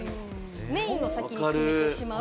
メインを先に決めてしまう。